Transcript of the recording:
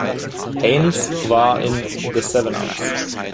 Haines war in „The Seven-Ups“.